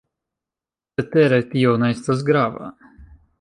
Cetere tio ne estas grava.